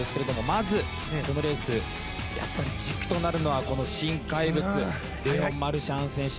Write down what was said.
まず、このレースやっぱり軸となるのは新怪物レオン・マルシャン選手。